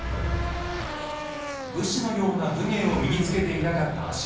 武士のような武芸を身につけていなかった足軽たち。